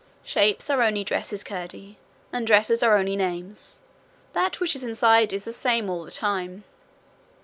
'Shapes are only dresses, Curdie, and dresses are only names. That which is inside is the same all the time.'